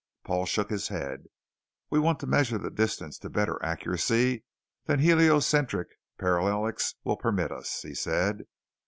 Paul shook his head. "We want to measure the distance to better accuracy than heliocentric parallax will permit us," he said.